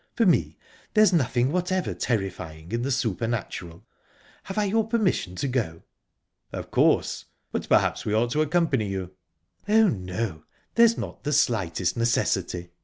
For me, there's nothing whatever terrifying in the supernatural...Have I your permission to go?" "Of course but perhaps we ought to accompany you?" "Oh, no there's not the slightest necessity.